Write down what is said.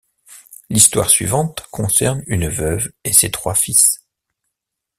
L'histoire suivante concerne une veuve et ses trois fils.